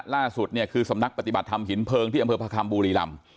ล่าสุดเนี่ยคือสำนักปฏิบัติธรรมหินเพลิงที่อำเภอพระคำบุรีรำ